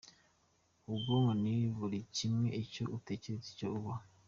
Ubwonko ni buri kimwe, icyo utekereje nicyo uba.